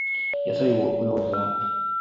Yasabibwa okwewozaako.